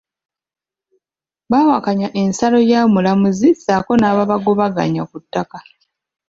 Bawakanya ensala y'omulamuzi ssaako n'ababagobaganya ku ttaka